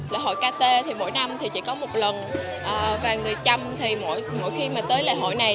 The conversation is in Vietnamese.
lễ hội kt thì mỗi năm thì chỉ có một lần và người trăm thì mỗi khi mà tới lễ hội này